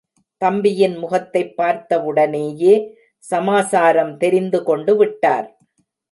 தம்பியின் முகத்தைப் பார்த்தவுடனேயே சமாசாரம் தெரிந்து கொண்டுவிட்டார்.